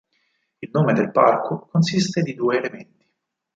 Il nome del parco consiste di due elementi.